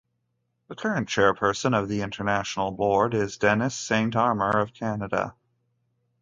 The current chairperson of the international board is Denis Saint Armour of Canada.